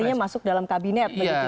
artinya masuk dalam kabinet begitu ya